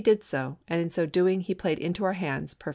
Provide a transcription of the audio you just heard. » did so, and in so doing he played into our hands Vol.